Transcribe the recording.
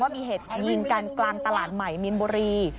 มีเหตุยิงกันกลางตลาดใหม่มีนบุรี